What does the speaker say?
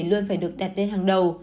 luôn phải được đặt lên hàng đầu